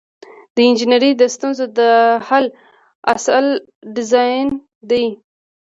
د انجنیری د ستونزو د حل اصل ډیزاین دی.